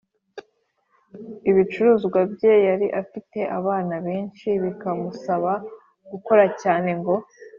ibicuruzwa bye. Yari afite abana benshi bikamusaba gukora cyane ngo